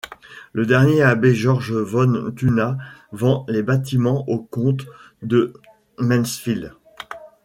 Le dernier abbé Georg von Thüna vend les bâtiments aux comtes de Mansfeld.